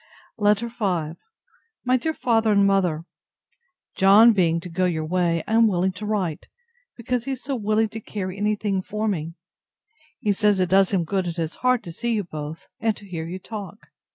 LETTER V MY DEAR FATHER AND MOTHER, John being to go your way, I am willing to write, because he is so willing to carry any thing for me. He says it does him good at his heart to see you both, and to hear you talk.